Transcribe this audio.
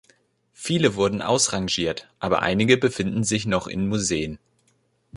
Viele wurden ausrangiert, aber einige befinden sich noch in Museen.